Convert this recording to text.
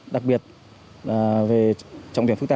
đặc biệt là về trọng điểm phức tạp